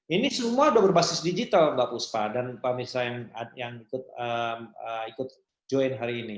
ini semua sudah berbasis digital mbak puspa dan pak mirsa yang ikut join hari ini